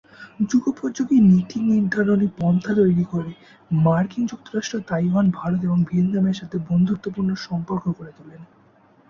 যুগোপযোগী নীতি-নির্ধারণী পন্থা তৈরী করে মার্কিন যুক্তরাষ্ট্র, তাইওয়ান, ভারত এবং ভিয়েতনামের সাথে বন্ধুত্বপূর্ণ সম্পর্ক গড়ে তোলেন।